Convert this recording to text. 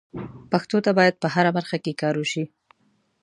پښتو ته باید په هره برخه کې کار وشي.